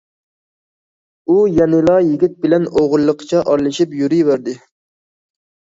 ئۇ يەنىلا يىگىت بىلەن ئوغرىلىقچە ئارىلىشىپ يۈرۈۋەردى.